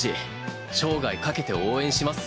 生涯かけて応援します。